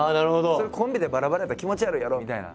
それコンビでバラバラやったら気持ち悪いやろみたいな。